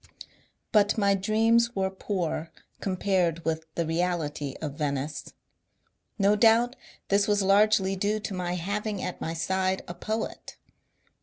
'* But my dreams were poor compared with the reality of Venice. No doubt this was largely due to my having at my side a poet.